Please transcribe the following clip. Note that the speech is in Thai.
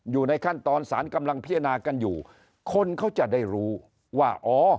อยู่ในขั้นตอนสารกำลังพิจารณากันอยู่คนเขาจะได้รู้ว่าอ๋อ